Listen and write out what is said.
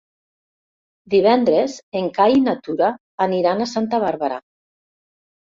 Divendres en Cai i na Tura aniran a Santa Bàrbara.